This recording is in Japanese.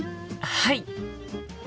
はい！